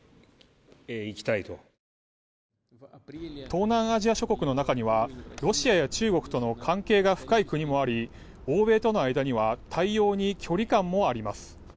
東南アジア諸国の中にはロシアや中国との関係が深い国もあり欧米との間には対応に距離感もあります。